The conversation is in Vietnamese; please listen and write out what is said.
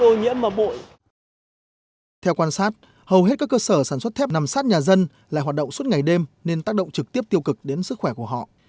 theo quan sát hầu hết các cơ sở sản xuất thép nằm sát nhà dân lại hoạt động suốt ngày đêm nên tác động trực tiếp tiêu cực đến sức khỏe của họ